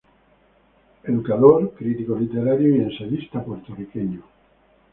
Educador, Crítico literario y ensayista puertorriqueño.